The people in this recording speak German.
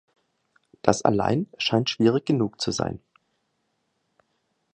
Das allein scheint schwierig genug zu sein.